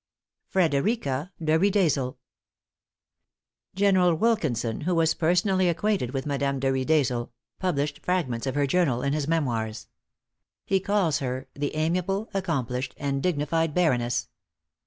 FREDERICA DE RIEDESEL. [Illustration: 0162] |General Wilkinson, who was personally acquainted with Madame de Riedesel, published fragments of her journal in his Memoirs. He calls her "the amiable, accomplished, and dignified baroness."